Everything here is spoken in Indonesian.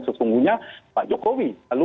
sesungguhnya pak jokowi lalu